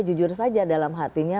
jujur saja dalam hatinya